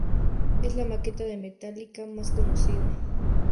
Es la maqueta de Metallica más conocida.